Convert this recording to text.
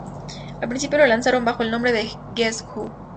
Al principio lo lanzaron bajo el nombre de Guess Who?